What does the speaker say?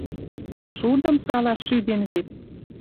Шудым салаш шӱден вет.